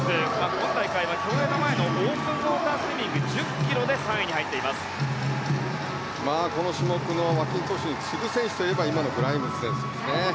今大会は競泳の前のオープンウォータースイミングこの種目のマッキントッシュに次ぐ選手といえばグライムズ選手ですね。